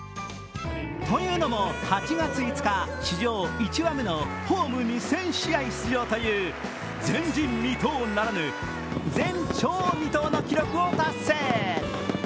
というのも、８月５日、史上１羽目のホーム２０００試合出場という前人未踏ならぬ前鳥未到の記録を達成。